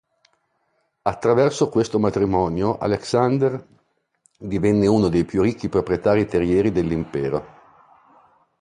Attraverso questo matrimonio, Aleksandr divenne uno dei più ricchi proprietari terrieri dell'impero.